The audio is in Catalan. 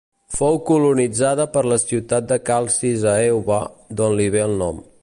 Fou colonitzada per la ciutat de Calcis a Eubea, d'on li ve el nom.